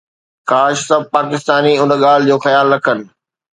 ڪاش سڀ پاڪستاني ان ڳالهه جو خيال رکن